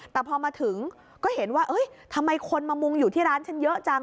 แต่พอมาถึงก็เห็นว่าทำไมคนมามุงอยู่ที่ร้านฉันเยอะจัง